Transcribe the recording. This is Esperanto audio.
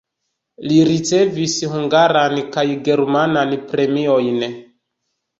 Li ricevis hungaran kaj germanan premiojn.